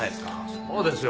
そうですよ